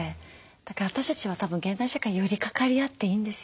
だから私たちはたぶん現代社会に寄りかかり合っていいんですよ。